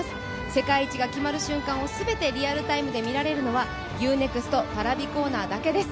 世界一が決まる瞬間を全てリアルタイムで見られるのはＵ−ＮＥＸＴＰａｒａｖｉコーナーだけです。